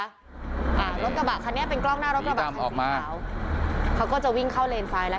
อ่ารถกระบะคันนี้เป็นกล้องหน้ารถกระบะออกมาเขาก็จะวิ่งเข้าเลนซ้ายแล้ว